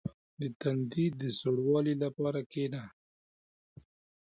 • د تندي د سوړوالي لپاره کښېنه.